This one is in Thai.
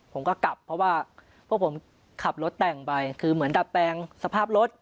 ผมก็กลับเพราะว่าพวกผมขับรถแต่งไปคือเหมือนดัดแปลงสภาพรถ